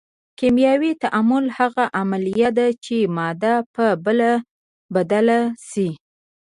کیمیاوي تعامل هغه عملیه ده چې ماده په بله بدله شي.